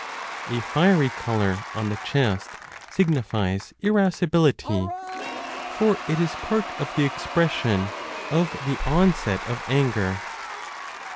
25 A fiery colour on the chest signifies irascibility, for it is part of the expression of the onset of anger.